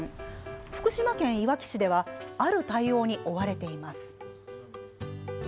福島県いわき市ではある対応に追われています。